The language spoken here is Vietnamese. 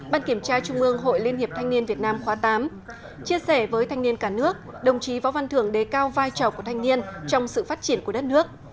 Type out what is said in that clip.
ban kiểm tra trung ương hội liên hiệp thanh niên việt nam khóa tám chia sẻ với thanh niên cả nước đồng chí võ văn thường đề cao vai trò của thanh niên trong sự phát triển của đất nước